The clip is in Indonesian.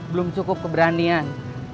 belum cukup keberanian